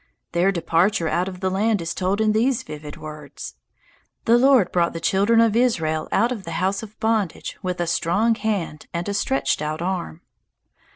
Their departure out of the land is told in these vivid words: "The Lord brought the children of Israel out of the house of bondage with a strong hand and a stretched out arm."